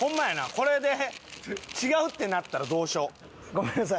これで違うってなったらどうしよう？ごめんなさい。